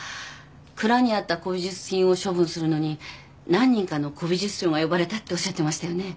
蔵にあった古美術品を処分するのに何人かの古美術商が呼ばれたっておっしゃってましたよね？